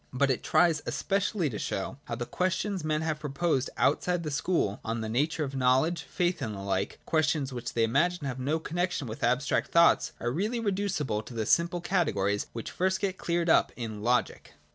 But it tries especially to show how the questions men have proposed, outside the school, on the nature of Know ledge, Faith and the like, — questions which they imagine to have no connexion with abstract thoughts, — are really reducible to the simple categories, which first get cleared up in Logic.